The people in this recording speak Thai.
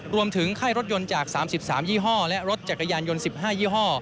ค่ายรถยนต์จาก๓๓ยี่ห้อและรถจักรยานยนต์๑๕ยี่ห้อ